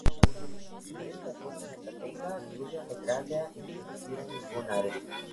Пред да почнат да бегаат, луѓето градеа импровизирани бунари.